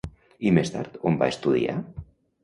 I més tard, on va estudiar?